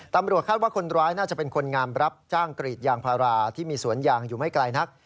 ตำรวจคาดว่าคนร้ายน่าจะเป็นคนงามรับจ้างกรีดยางพาราที่มีสวนยางอยู่ไม่ไกลนัก